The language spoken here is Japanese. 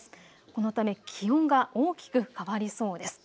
このため気温が大きく上がりそうです。